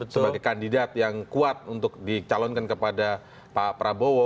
sebagai kandidat yang kuat untuk dicalonkan kepada pak prabowo